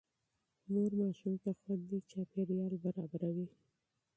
مور ماشوم ته خوندي چاپېريال برابروي.